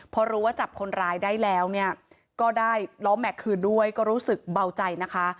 พอรู้ว่าจับคนร้ายได้แล้วเนี่ยก็ได้ล้อแม็กซ์คืนด้วยก็รู้สึกเบาใจนะคะ